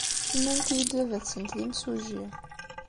Nnant-iyi-d baba-tsent d imsujji.